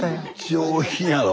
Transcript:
上品やろ。